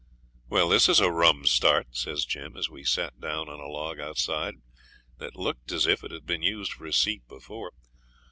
'Well, this is a rum start,' says Jim, as we sat down on a log outside that looked as if it had been used for a seat before.